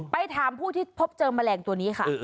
ไปถามผู้ที่พบเจอแมลงตัวนี้ค่ะ